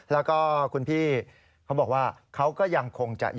กับทุกคนผมถูกครับถูกกินครับ